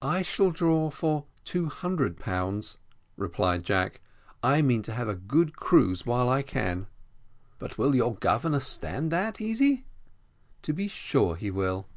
"I shall draw for two hundred pounds," replied Jack; "I mean to have a good cruise while I can." "But will your governor stand that, Easy?" "To be sure he will."